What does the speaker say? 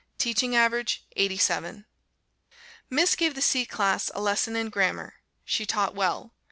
Teaching average 87. Miss gave the C class a lesson in Grammar. She taught well.